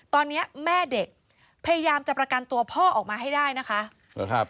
ตอนนี้แม่เด็กพยายามจะประกันตัวพ่อออกมาให้ได้นะคะ